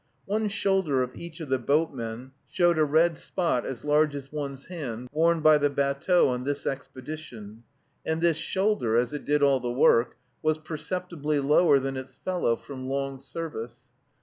One shoulder of each of the boatmen showed a red spot as large as one's hand, worn by the batteau on this expedition; and this shoulder, as it did all the work, was perceptibly lower than its fellow, from long service.